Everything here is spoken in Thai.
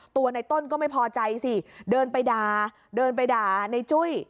ตัวในต้นก็ไม่พอใจสิเดินไปด่าในจุ้ย